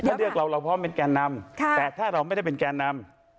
ถ้าเลือกเราเราพร้อมเป็นแกนนำแต่ถ้าเราไม่ได้เป็นแกนนำ